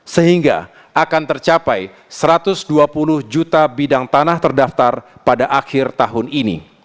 sehingga akan tercapai satu ratus dua puluh juta bidang tanah terdaftar pada akhir tahun ini